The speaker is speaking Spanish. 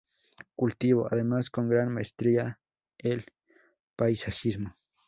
Cultivó, además, con gran maestría el paisajismo.